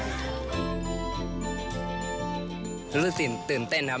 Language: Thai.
รู้สึกสินตื่นเต้นครับ